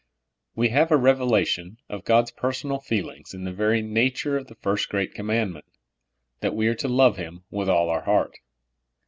WE have a revelation of God's personal feelings in the very nature of the first great command ment, that we are to love Him with all our heart.